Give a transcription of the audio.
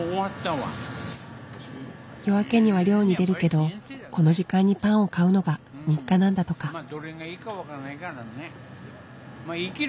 夜明けには漁に出るけどこの時間にパンを買うのが日課なんだとか。